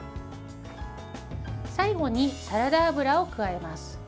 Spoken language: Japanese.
最後にサラダ油を加えます。